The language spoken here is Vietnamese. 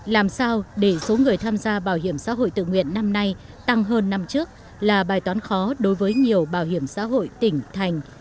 làm sao để số người tham gia bảo hiểm xã hội tự nguyện năm nay tăng hơn năm trước là bài toán khó đối với nhiều bảo hiểm xã hội tỉnh thành